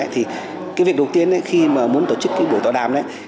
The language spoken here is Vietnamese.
thì việc đầu tiên khi muốn tổ chức buổi tọa đàm